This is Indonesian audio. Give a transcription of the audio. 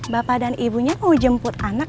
bapak dan ibunya mau jemput anak